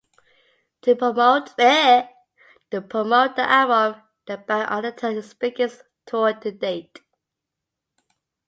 To promote the album, the band undertook its biggest tour to date.